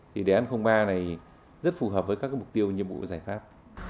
thì đề án ba này rất phù hợp với các mục tiêu nhiệm vụ giải pháp